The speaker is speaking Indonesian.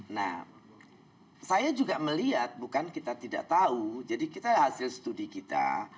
nah saya juga melihat bukan kita tidak tahu jadi kita hasil studi kita